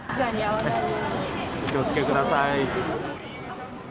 お気をつけください。